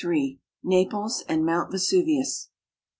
NAPLES AND MOUNT VESUVIUS.